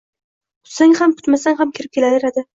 - Kutsang ham, kutmasang ham kirib kelaveradi...